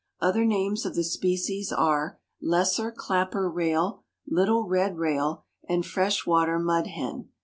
Other names of the species are: Lesser clapper rail, little red rail, and fresh water mud hen.